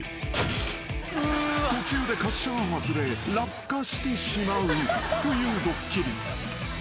［途中で滑車が外れ落下してしまうというドッキリ］